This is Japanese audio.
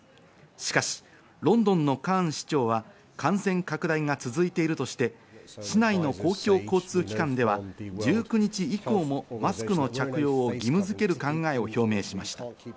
しかし、ロンドンのカーン市長は感染拡大が続いているとして、市内の公共交通機関では１９日以降もマスクの着用を義務づける考えを表明しました。